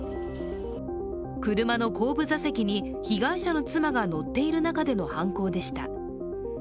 車の後部座席に被害者の妻が乗っている中での犯行でした。